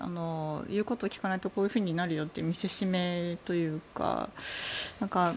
言うことを聞かないとこういうふうになるよと見せしめというか。